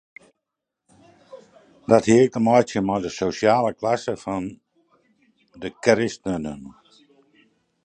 Dat hie ek te meitsjen mei de sosjale klasse fan de kristenen.